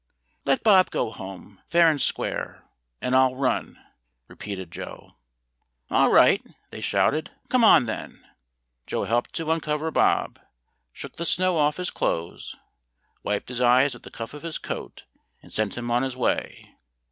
"Let Bob go home, fair and square, and I'll run," repeated Joe. "All right," they shouted. "Come on, then." [Illustration: "FIRE AWAY!"] Joe helped to uncover Bob, shook the snow off his clothes, wiped his eyes with the cuff of his coat, and sent him on his way.